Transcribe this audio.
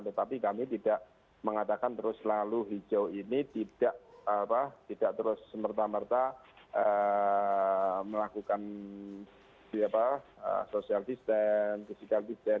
tetapi kami tidak mengatakan terus lalu hijau ini tidak terus semerta merta melakukan social distancing physical distancing